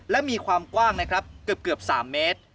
และมีความกว้างนะครับเกือบ๓เมตร